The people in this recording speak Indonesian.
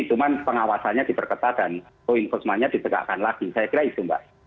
cuma pengawasannya diperketat dan co investmentnya ditegakkan lagi saya kira itu mbak